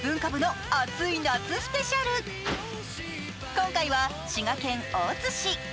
今回は滋賀県大津市。